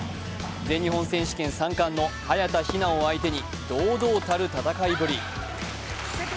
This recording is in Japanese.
全日本選手権３冠の早田ひなを相手に堂々たる戦いぶり。